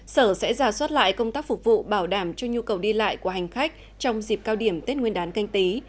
sở sẽ giả soát lại công tác phục vụ bảo đảm cho nhu cầu đi lại của hành khách trong dịp cao điểm tết nguyên đán canh tí